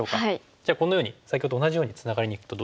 じゃあこのように先ほどと同じようにツナがりにいくとどうですか？